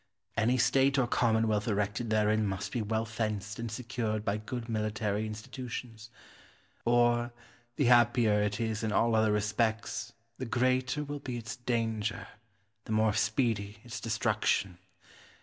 Any state or commonwealth erected therein must be well fenced and secured by good military institutions; or, the happier it is in all other respects, the greater will be its danger, the more speedy its destruction.